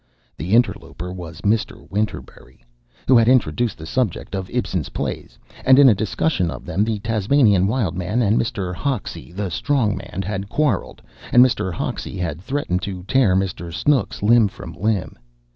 The interloper was Mr. Winterberry, who had introduced the subject of Ibsen's plays, and in a discussion of them the Tasmanian Wild Man and Mr. Hoxie, the Strong Man, had quarreled, and Mr. Hoxie had threatened to tear Mr. Snooks limb from limb.